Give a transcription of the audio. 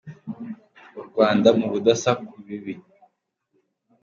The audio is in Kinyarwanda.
U Rwanda mu budasa ku bibi.